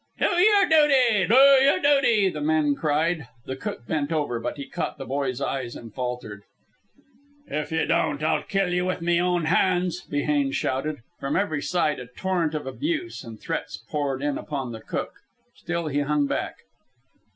"Do yer duty! Do yer duty!" the men cried. The cook bent over, but he caught the boy's eyes and faltered. "If ye don't, I'll kill ye with me own hands," Behane shouted. From every side a torrent of abuse and threats poured in upon the cook. Still he hung back.